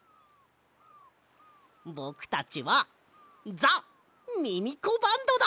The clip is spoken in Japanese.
ぼくたちはザ・ミミコバンドだ！